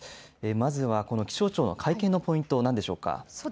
まずはこの気象庁の会見のポイント、何でしょうか。